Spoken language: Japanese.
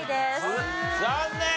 残念。